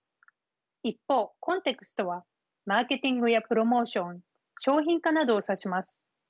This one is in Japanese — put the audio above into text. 一方コンテクストはマーケティングやプロモーション商品化などを指します。